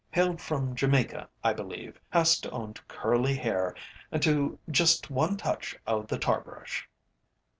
Hailed from Jamaica, I believe; has to own to curly hair and to just one touch of the tar brush."